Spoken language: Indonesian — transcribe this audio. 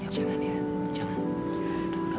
jangan ya jangan